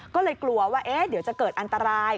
ก็เลยกลัวว่าเดี๋ยวจะเกิดอันตราย